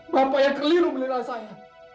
bapak yang keliru bendera saya